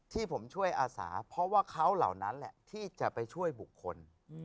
ที่ผมช่วยอาสาเพราะว่าเขาเหล่านั้นแหละที่จะไปช่วยบุคคล